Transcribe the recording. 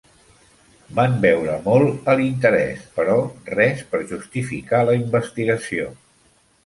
Van veure molt a l'interès, però res per justificar la investigació.